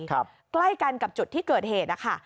ใกล้กันกับจุดที่เกิดเหตุนะคะ